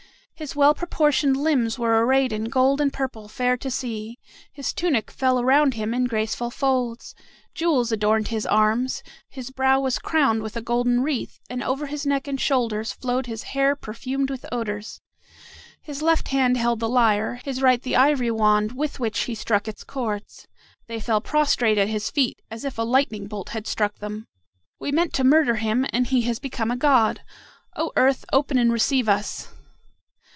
His well proportioned limbs were arrayed in gold and purple fair to see, his tunic fell around him in graceful folds, jewels adorned his arms, his brow was crowned with a golden wreath, and over his neck and shoulders flowed his hair perfumed with odors; his left hand held the lyre, his right the ivory wand with which he struck its chords. They fell prostrate at his feet, as if a lightning bolt had struck them. "We meant to murder him, and he has become a god. O Earth, open and receive us!"